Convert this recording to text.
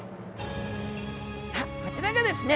さあこちらがですね